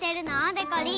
でこりん。